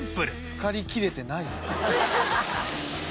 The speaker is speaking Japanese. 漬かりきれてない。